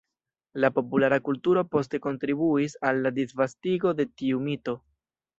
La populara kulturo poste kontribuis al la disvastigo de tiu mito.